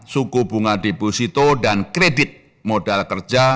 suku bunga deposito dan kredit modal kerja